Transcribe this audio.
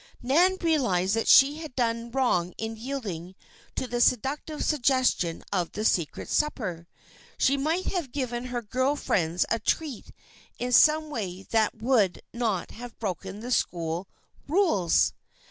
Nan realized that she had done wrong in yielding to the seductive suggestion of the secret supper. She might have given her girl friends a treat in some way that would not have broken the school rules.